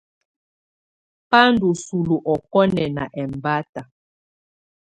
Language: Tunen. Bá ndù sulu ɔkɔnɛnana ɛmbata.